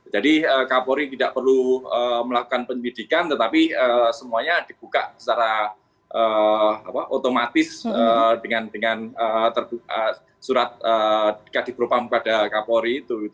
jadi kapolri tidak perlu melakukan penyelidikan tetapi semuanya dibuka secara otomatis dengan surat diberupam pada kapolri